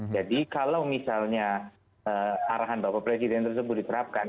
jadi kalau misalnya arahan bapak presiden tersebut diterapkan